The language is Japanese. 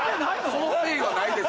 そのペイはないです。